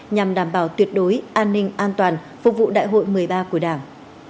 nhằm đảm bảo tuyệt đối an ninh an toàn phục vụ đại hội một mươi ba của đảng